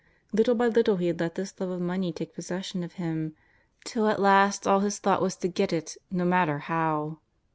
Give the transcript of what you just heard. Little by little he had let this love of money take possession of him, till at last all his thought was to get it, no matter how.